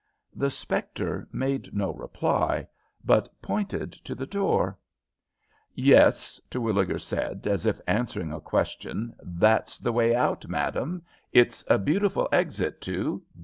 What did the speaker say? The spectre made no reply, but pointed to the door. "Yes," Terwilliger said, as if answering a question. "That's the way out, madame. It's a beautiful exit, too.